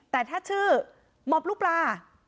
แต่ถ้าชื่อหมอบลูกปลา